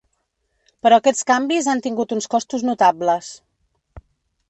Però aquests canvis han tingut uns costos notables.